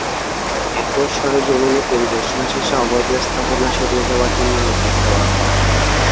এরপর সরেজমিনে পরিদর্শন শেষে অবৈধ স্থাপনা সরিয়ে নেওয়ার জন্য নোটিশ দেওয়া হলো।